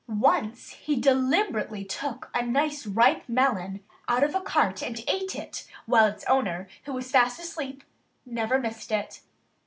Once he deliberately took a nice ripe melon out of a cart and ate it, while its owner, who was fast asleep, never missed it.